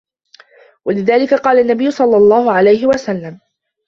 وَلِذَلِكَ قَالَ النَّبِيُّ صَلَّى اللَّهُ عَلَيْهِ وَسَلَّمَ